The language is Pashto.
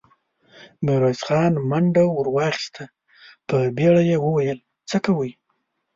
ميرويس خان منډه ور واخيسته، په بيړه يې وويل: څه کوئ!